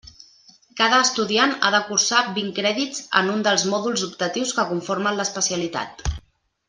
Cada estudiant ha de cursar vint crèdits en un dels mòduls optatius que conformen l'especialitat.